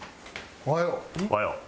おはよう。